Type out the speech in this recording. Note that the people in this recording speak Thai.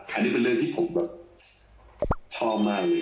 อันนี้เป็นเรื่องที่ผมแบบชอบมากเลย